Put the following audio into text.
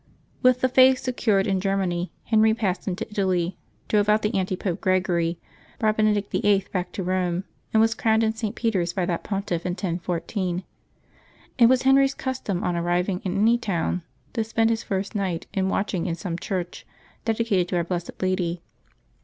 With the Faith secured in Ger many, Henry passed into Italy, drove out the Antipope Gregory, brought Benedict Vlll. back to Rome, and was crowned in St. Peter's by that Pontiff, in 1014. It was Henry's custom, on arriving in any town, to spend his first night in watching in some church dedicated to our blessed Lady.